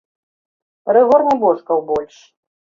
Рыгор не божкаў больш.